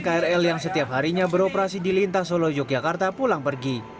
krl yang setiap harinya beroperasi di lintas solo yogyakarta pulang pergi